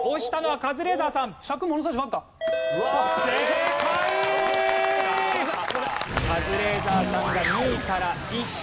カズレーザーさんが２位から１位に。